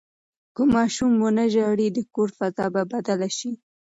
که ماشوم ونه ژاړي، د کور فضا به بدله شي.